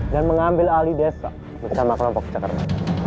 dan mengambil ahli desa mencambang kelompok ke jakarta